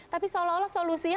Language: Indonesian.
tapi seolah olah solusinya